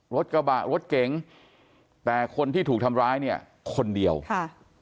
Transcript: รถเก๋งแต่คนที่ถูกทำร้ายเนี่ยคนเดียวค่ะ